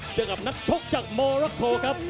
เจอกับนักชกจากโมรักโคครับ